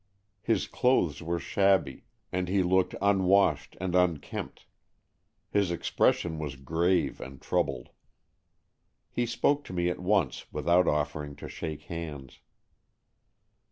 His clothes were shabby, and he looked unwashed and unkempt. His expression was grave and troubled. He spoke to me at once, without offering to shake hands.